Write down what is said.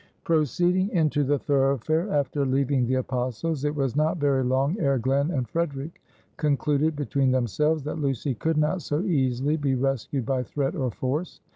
Proceeding into the thoroughfare, after leaving the Apostles', it was not very long ere Glen and Frederic concluded between themselves, that Lucy could not so easily be rescued by threat or force.